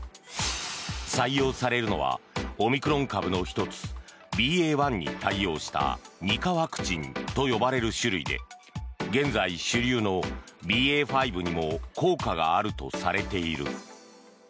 採用されるのはオミクロン株の１つＢＡ．１に対応した２価ワクチンと呼ばれる種類で現在主流のＢＡ．５にも効果があるとされている。